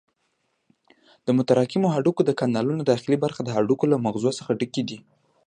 د متراکمو هډوکو د کانالونو داخلي برخه د هډوکو له مغزو څخه ډکې دي.